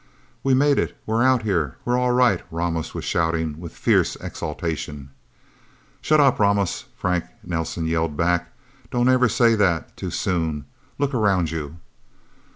"We've made it we're Out Here we're all right!" Ramos was shouting with a fierce exultation. "Shut up, Ramos!" Frank Nelsen yelled back. "Don't ever say that, too soon. Look around you!"